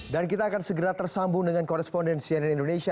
dan kita akan segera tersambung dengan korespondensi yang di indonesia